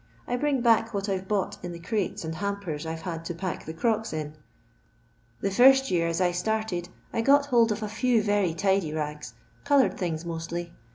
I bring back what I 've bought in the crates and hampers I 've had to pack the crocks in. The first year as I started I got hold of a few very tidy ngs, coloured things mostly.